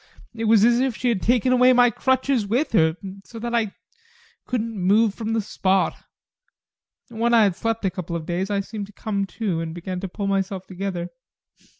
It was as if she had taken away my crutches with her, so that I couldn't move from the spot. When I had slept a couple of days, I seemed to come to, and began to pull myself together.